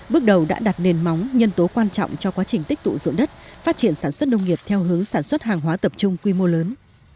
bước đầu đã đặt nền móng nhân tố quan trọng cho quá trình tích tụ dụng đất phát triển sản xuất nông nghiệp theo hướng sản xuất hàng hóa tập trung quy mô lớn